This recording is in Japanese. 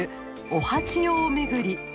「お八葉めぐり」。